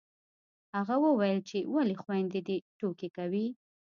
هغه وويل چې ولې خویندې دې ټوکې کوي